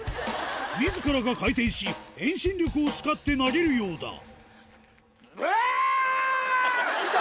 自らが回転し遠心力を使って投げるようだうわぁ！